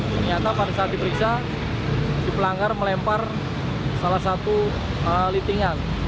ternyata pada saat diperiksa si pelanggar melempar salah satu litingan